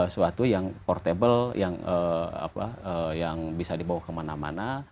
suatu yang portable yang bisa dibawa kemana mana